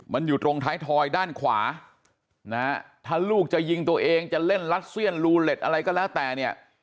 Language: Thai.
มันอยู่ตรงท้ายทอยด้านขวานะฮะถ้าลูกจะยิงตัวเองจะเล่นรัสเซียนรูเล็ตอะไรก็แล้วแต่เนี่ย